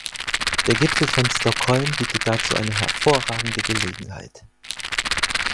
Der Gipfel von Stockholm bietet dazu eine hervorragende Gelegenheit!